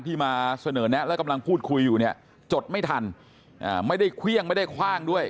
มาเสนอแนะและกำลังพูดคุยอยู่เนี่ยจดไม่ทันไม่ได้เครื่องไม่ได้คว่างด้วย